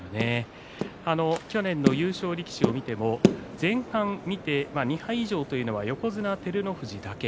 去年の優勝力士を見てみますと前半２敗以上というのは横綱照ノ富士だけ。